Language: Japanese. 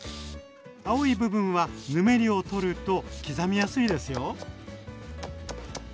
青い部分はぬめりを取ると刻みやすいですよ。